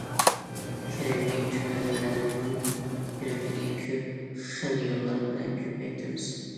كىرىمى تۆۋەنلەرنىڭ كىرىمىنى كۆپ خىل يوللار بىلەن كۆپەيتىمىز.